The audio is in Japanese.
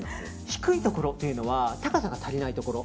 低いところっていうのは高さが足りないところ。